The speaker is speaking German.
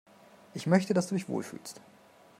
Ich möchte, dass du dich wohl fühlst.